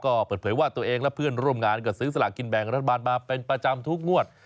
ก็เปิดเผยว่าตัวเองและเพื่อนร่วมงานก็ซื้อสลากินแบ่งรัฐบาลมาเป็นประจำทุกงวด